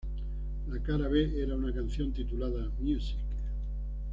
La cara B era una canción titulada "Music!